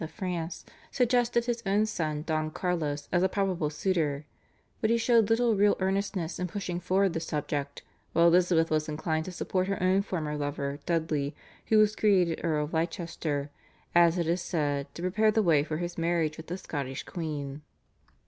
of France, suggested his own son Don Carlos as a probable suitor, but he showed little real earnestness in pushing forward the project, while Elizabeth was inclined to support her own former lover, Dudley, who was created Earl of Leicester, as it is said, to prepare the way for his marriage with the Scottish queen.